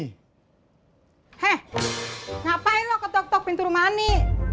hei ngapain lo ketok ketok pintu rumah ani